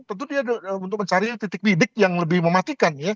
tentu dia untuk mencari titik bidik yang lebih mematikan ya